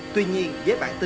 tôi biết rồi